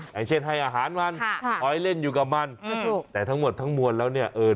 อย่างเช่นให้อาหารมันคอยเล่นอยู่กับมันแต่ทั้งหมดทั้งมวลแล้วเนี่ยเออ